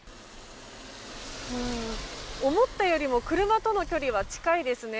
思ったよりも車との距離は近いですね。